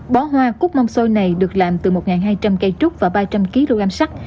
bó hoa cúc mâm xôi này được làm từ một hai trăm linh cây trúc và ba trăm linh kg lô gam sắc